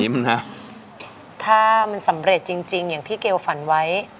ถ้ามันสำเร็จจริงอย่างที่เกลฝันไว้